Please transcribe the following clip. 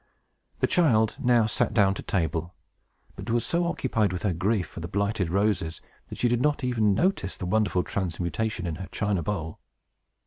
The child now sat down to table, but was so occupied with her grief for the blighted roses that she did not even notice the wonderful transmutation of her China bowl.